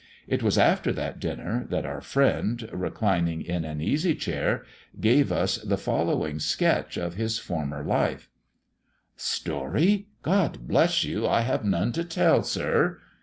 It was after that dinner that our friend, reclining in an easy chair, gave us the following sketch of his former life: "'Story God bless you, I have none to tell, sir.'